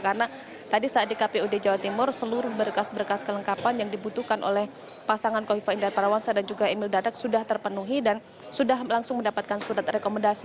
karena tadi saat di kpu jawa timur seluruh berkas berkas kelengkapan yang dibutuhkan oleh pasangan hovifa indah parawansa dan juga emil dadak sudah terpenuhi dan sudah langsung mendapatkan surat rekomendasi